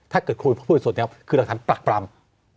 ถ้าเกิดครูพิวสุดนี้ครับคือฤทธิ์ปรักปร่ำ